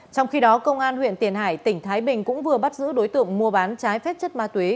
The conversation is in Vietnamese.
trong khi đó công an huyện tiền hải tỉnh thái bình cũng vừa bắt giữ đối tượng mua bán trái phép chất ma túy